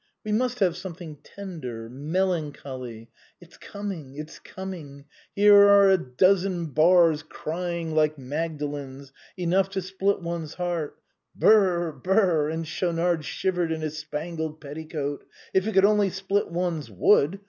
We must have something tender, melancholy. It's coming, it's coming! Here are a dozen bars crying like Magdalens, enough to split one's heart — Brr, brr !" and Schaunard shivered in his spangled petticoat, " if it could only split one's wood!